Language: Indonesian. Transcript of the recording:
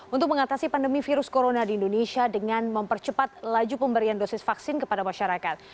untuk mengatasi pandemi virus corona di indonesia dengan mempercepat laju pemberian dosis vaksin kepada masyarakat